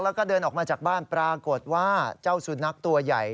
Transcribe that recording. แล้วก็เดินออกมาจากบ้านปรากฏว่าเจ้าสุนัขตัวใหญ่